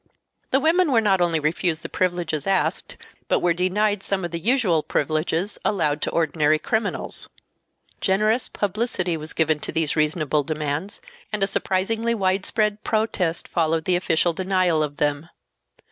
The women were not only refused the privileges asked but were denied some of the usual privileges allowed to ordinary criminals. Generous publicity was given to these reasonable demands, and a surprisingly wide spread protest followed the official denial of them.